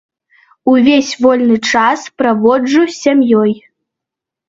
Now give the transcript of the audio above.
Увесь вольны час праводжу з сям'ёй.